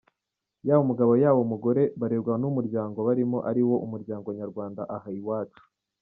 Yaba umugabo yaba umugore barerwa n'umuryango barimo ariwo umuryango nyarwanda aha iwacu.